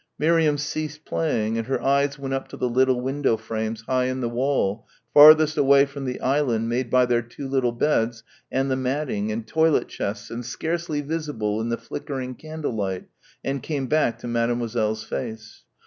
Miriam ceased playing and her eyes went up to the little window frames high in the wall, farthest away from the island made by their two little beds and the matting and toilet chests and scarcely visible in the flickering candle light, and came back to Mademoiselle's face.